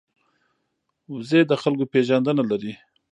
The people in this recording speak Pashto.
وزې د خلکو پېژندنه لري